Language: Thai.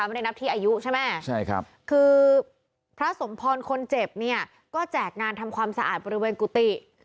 ไม่ได้นับที่อายุใช่ไหมใช่ครับคือพระสมพรคนเจ็บเนี่ยก็แจกงานทำความสะอาดบริเวณกุฏิ